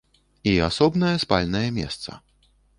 І асобнае спальнае месца.